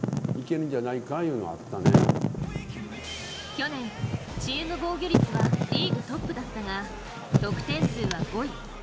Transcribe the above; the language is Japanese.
去年、チーム防御率はリーグトップだったが、得点数は５位。